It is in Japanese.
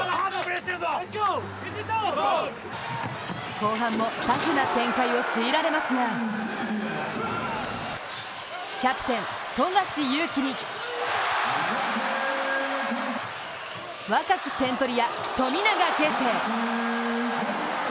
後半もタフな展開を強いられますがキャプテン・富樫勇樹に若き点取り屋、富永啓生。